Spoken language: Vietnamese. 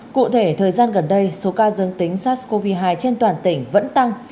cụ thể thời gian gần đây số ca dương tính sars cov hai trên toàn tỉnh vẫn tăng